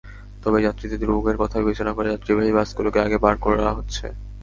তবে যাত্রীদের দুর্ভোগের কথা বিবেচনা করে যাত্রীবাহী বাসগুলোকে আগে পার করা হচ্ছে।